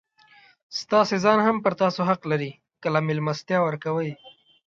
ستاسي ځان هم پر تاسو حق لري؛ کله مېلمستیا ورکوئ!